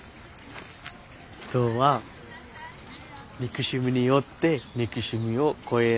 人は憎しみによって憎しみを越えられない。